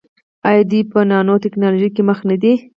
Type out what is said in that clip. آیا دوی په نانو ټیکنالوژۍ کې مخکې نه دي؟